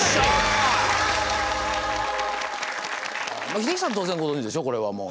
英樹さんは当然ご存じでしょこれはもう。